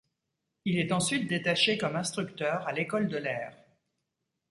Il est ensuite détaché comme instructeur à l'école de l'air.